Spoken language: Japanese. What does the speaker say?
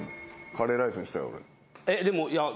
カレーライスにしたよ俺。